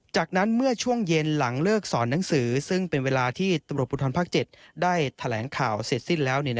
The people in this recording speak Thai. จากนั้นเมื่อช่วงเย็นหลังเลิกสอนหนังสือซึ่งเป็นเวลาที่ตำรวจภูทรภาค๗ได้แถลงข่าวเสร็จสิ้นแล้ว